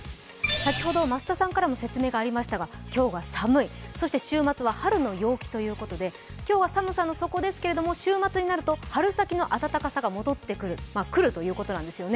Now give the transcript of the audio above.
先ほど増田さんからも説明がありましたが、今日は寒い、そして週末は春の陽気ということで今日は寒さの底ですけれども、週末になると春先の暖かさが来るということなんですね。